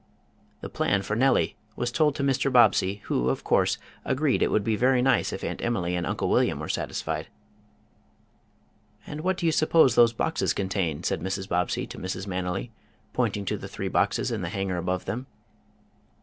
The plan for Nellie was told to Mr. Bobbsey, who, of course agreed it would be very nice if Aunt Emily and Uncle William were satisfied. "And what do you suppose those boxes contain?" said Mrs. Bobbsey to Mrs. Manily, pointing to the three boxes in the hanger above them.